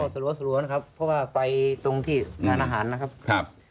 สรั้วนะครับเพราะว่าไปตรงที่ร้านอาหารนะครับ